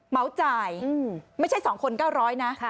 เหมาจ่ายไม่ใช่๒คน๙๐๐นะ